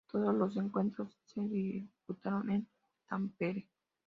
Todos los encuentros se disputaron en Tampere.